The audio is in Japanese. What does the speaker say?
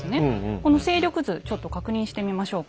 この勢力図ちょっと確認してみましょうか。